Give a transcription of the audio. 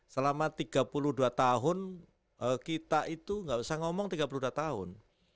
selama tiga puluh dua tahun kita itu nggak usah ngomong tiga puluh dua tahun